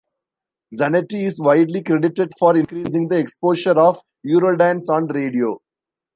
Zanetti is widely credited for increasing the exposure of Eurodance on radio.